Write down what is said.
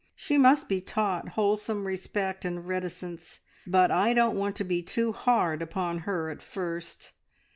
She must be taught wholesome respect and reticence, but I don't want to be too hard upon her at first.